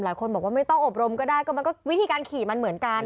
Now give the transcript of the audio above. หลายคนบอกว่าไม่ต้องอบรมก็ได้ก็มันก็วิธีการขี่มันเหมือนกัน